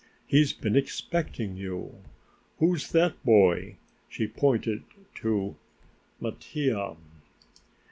He's been expecting you. Who's that boy?" She pointed to Mattia.